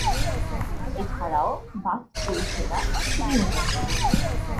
এছাড়াও বাস পরিষেবা খুবই উন্নত।